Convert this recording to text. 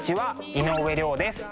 井上涼です。